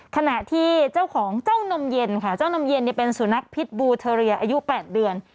ขณะที่เจ้าของเจ้านมเย็นค่ะเจ้านมเย็นเป็นสุนัขพิษบูเทอเรียอายุ๘เดือน